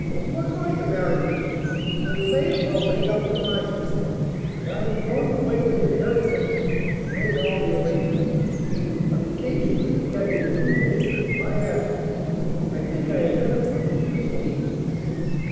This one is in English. You are going to marry me, so you may as well make up your mind to it; and I am going away this very minute to make all the arrangements. But in case you should get into mischief in my absence, I think I had better put you to sleep.